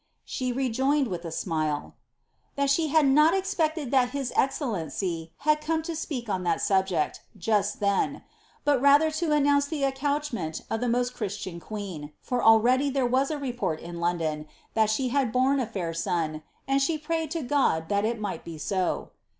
* She rejoined, with a smile, " That she had not expected that his ex cellency had come to speak on that subject, just then ; but rather to an nounce the accouchement of the most Christian queen, for already there was a report in London that she had borne a fair son, and she prayed to God that it might be so."